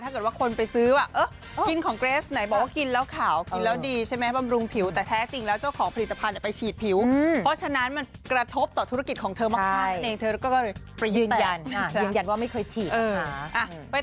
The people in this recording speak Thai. คนไปซื้อว่ากินของเกรสไหนบอกว่ากินแล้วขาวกินแล้วดีใช่ไหมบำรุงผิวแต่แท้จริงแล้วเจ้าของผลิตภัณฑ์ไปฉีดผิวเพราะฉะนั้นมันกระทบต่อธุรกิจของเธอมากนั่นเองเธอก็เลยไปยืนยันยืนยันว่าไม่เคยฉีด